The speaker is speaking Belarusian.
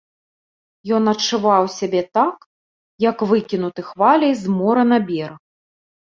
Ён адчуваў сябе так, як выкінуты хваляй з мора на бераг.